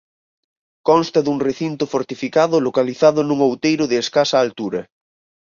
Consta dun recinto fortificado localizado nun outeiro de escasa altura.